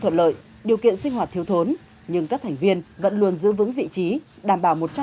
thuận lợi điều kiện sinh hoạt thiếu thốn nhưng các thành viên vẫn luôn giữ vững vị trí đảm bảo